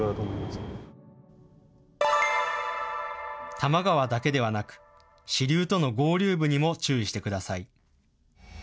多摩川だけではなく、支流との合流部にも注意してください。